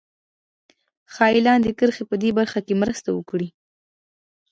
ښایي لاندې کرښې په دې برخه کې مرسته وکړي